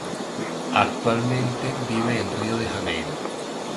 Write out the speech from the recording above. Actualmente vive en Rio de Janeiro.